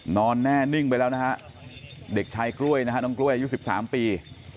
นอนแน่นิ่งไปแล้วนะฮะเด็กชายกล้วยนะฮะน้องกล้วยอายุ๑๓ปี